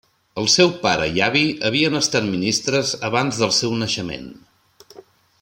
El seu pare i avi havien estat ministres abans del seu naixement.